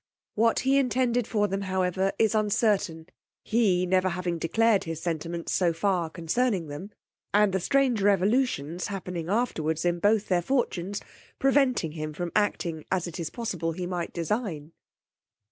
What he intended for them, however, is uncertain, he never having declared his sentiments so far concerning them; and the strange revolutions happening afterwards in both their fortunes, preventing him from acting as it is possible he might design.